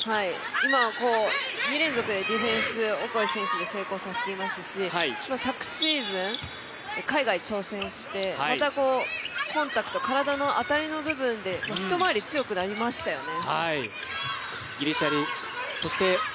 今は、２連続でディフェンスオコエ選手で成功させていますし昨シーズン、海外挑戦してまた、コンタクト体の当たりの部分で一回り強くなりましたよね。